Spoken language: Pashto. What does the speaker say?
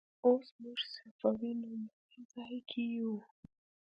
اوس موږ صفوي نومې ځای کې یو.